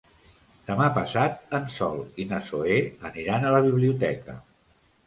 Demà passat en Sol i na Zoè aniran a la biblioteca.